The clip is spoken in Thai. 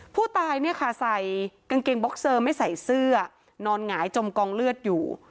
ผู้ตายเนี่ยค่ะใส่กางเกงบ็อกเซอร์ไม่ใส่เสื้อนอนหงายจมกองเลือดอยู่